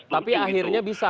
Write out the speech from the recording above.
tapi akhirnya bisa